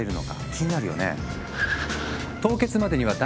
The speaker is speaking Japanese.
気になるよね。